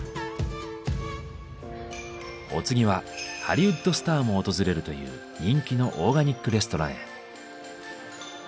お次はハリウッドスターも訪れるという人気のオーガニックレストランへ。